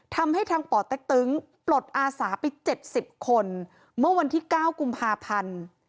ทำให้ทางป่อเต็กตึงปลดอาสาไป๗๐คนเมื่อวันที่๙กุมภาพันธ์